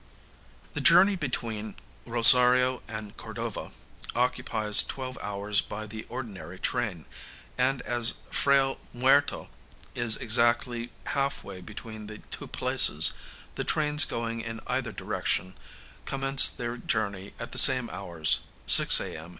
The journey between Rosario and Cordova occupies twelve hours by the ordinary train; and as Frayle Muerto is exactly half way between the two places, the trains going in either direction commence their journey at the same hours (6 a.m.